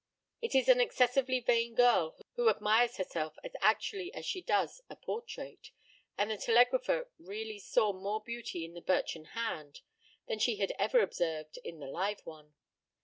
It is an excessively vain girl who admires herself as actually as she does a portrait, and the telegrapher really saw more beauty in the birchen hand than she had ever observed in the live one.